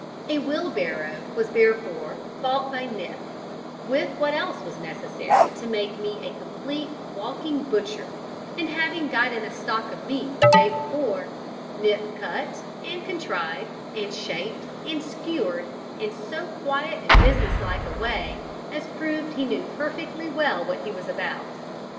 A wheelbarrow was therefore bought by Nip, with what else was necessary to make me a complete "walking butcher," and having got in a stock of meat the day before, Nip cut, and contrived, and shaped, and skewered, in so quiet and business like a way as proved he knew perfectly well what he was about.